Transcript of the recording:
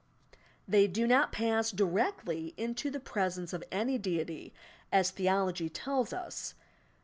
They do not pass directly into the presence of any Deity, as theology tells us.